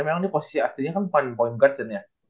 memang posisi aslinya kan point guard kan ya